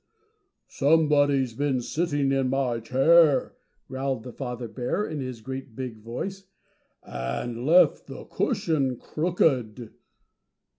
"SOMEBODY'S BEEN SITTING IN MY CHAIR," growled the father bear in his great big voice, "AND LEFT THE CUSHION CROOKED."